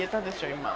今。